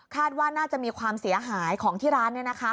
ว่าน่าจะมีความเสียหายของที่ร้าน